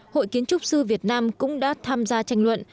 hội kiến trúc sư việt nam cũng đã tham gia tranh luận